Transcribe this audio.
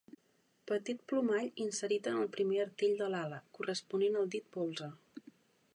Petit plomall inserit en el primer artell de l'ala, corresponent al dit polze.